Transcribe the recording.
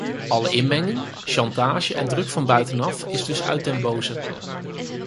Alle inmenging, chantage en druk van buitenaf is dus uit den boze.